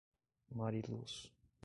Mariluz